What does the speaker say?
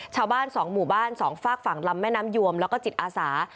ชาวบ้านสองหมู่บ้านสองฝากฝั่งลำแม่น้ำยวมแล้วก็จิตอาสา